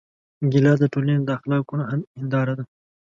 ګیلاس د ټولنې د اخلاقو هنداره ده.